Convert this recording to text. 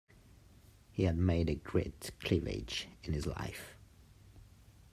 He had made a great cleavage in his life.